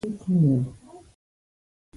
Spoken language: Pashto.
د لاملونو له کبله ستونزمنه ده.